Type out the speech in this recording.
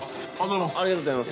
ありがとうございます。